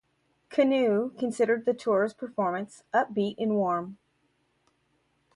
Canoe" considered the tour's performance "upbeat and warm".